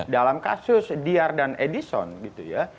dalam kasus diar dan edison gitu ya